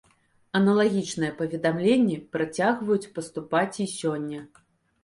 Аналагічныя паведамленні працягваюць паступаць й сёння.